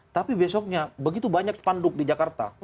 tapi besoknya begitu banyak spanduk di jakarta